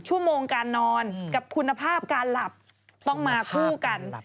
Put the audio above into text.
ชั่วโมงการนอนกับคุณภาพการหลับต้องมาคู่กัน